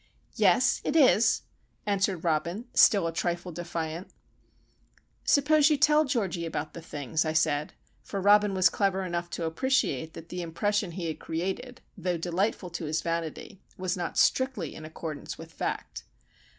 "Yes, it is," answered Robin, still a trifle defiant. "Suppose you tell Georgie about the things," I said,—for Robin was clever enough to appreciate that the impression he had created, though delightful to his vanity, was not strictly in accordance with fact.